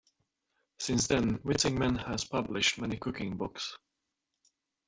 Since then, Witzigmann has published many cooking books.